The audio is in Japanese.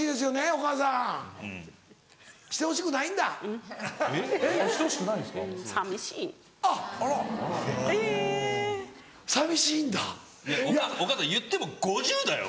お母さんいっても５０だよ